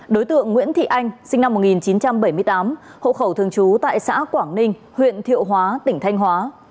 đối tượng nguyễn thị anh sinh năm một nghìn chín trăm bảy mươi tám hộ khẩu thường trú tại xã quảng ninh huyện thiệu hóa tỉnh thanh hóa